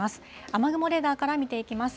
雨雲レーダーから見ていきます。